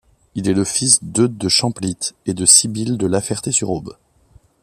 Il est le fils d'Eudes de Champlitte et de Sybille de Laferté-sur-Aube.